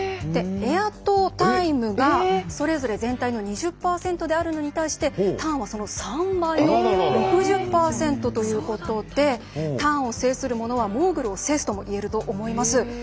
エアとタイムが、それぞれ全体の２０％であるのに対してターンは、その３倍の６０％ということで「ターンを制する者はモーグルを制す」ともいえると思います。